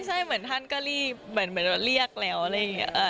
ใช่เหมือนท่านก็รีบเหมือนเรียกแล้วอะไรอย่างนี้